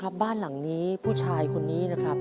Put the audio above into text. คุณป่านหลังนี้ผู้ไข้นี้นะครับ